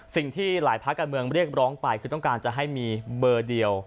สิ่งที่หลายภาคการเมืองเรียกร้องไปคือต้องการจะให้มีเบอร์เดียว